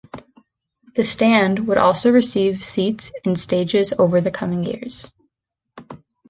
The stand would also receive seats in stages over the coming years.